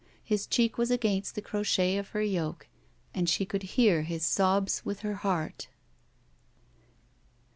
His cheek was against the crochet of her yoke and she cotdd hear his sobs with her heart.